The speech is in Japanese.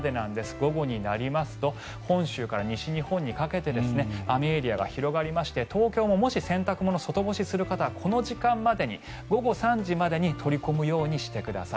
午後になりますと本州から西日本にかけて雨エリアが広がりまして東京も、もし洗濯物外干しする方はこの時間までに午後３時までに取り込むようにしてください。